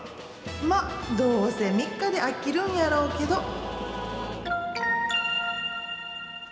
ま、どうせ３日で飽きるんやろうけど。